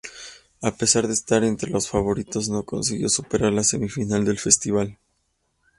A pesar de estar entre las favoritas, no consiguió superar la semifinal del festival.